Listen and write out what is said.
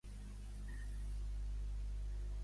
Més tard va ser penjat pel governant de Later Qin.